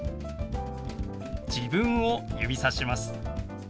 自分を指さします。